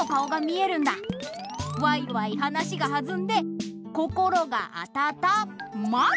ワイワイ話がはずんで心があたたまる！